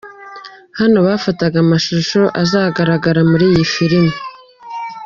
Hano bafataga amashusho azagaragara muri iyi filimi.